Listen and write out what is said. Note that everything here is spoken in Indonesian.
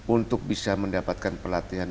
untuk bisa mendapatkan pelatihan